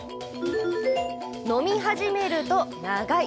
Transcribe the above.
「飲み始めると長い」。